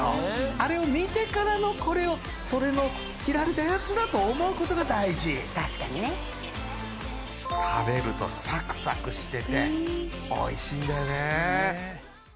あれを見てからのこれをそれの切られたやつだと思うことが大事食べるとサクサクしてておいしいんだよね